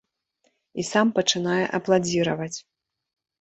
І сам пачынае апладзіраваць.